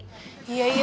kau harimau kecil